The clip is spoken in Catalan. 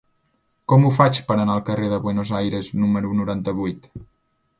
Com ho faig per anar al carrer de Buenos Aires número noranta-vuit?